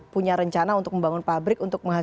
punya rencana untuk membangun pabrik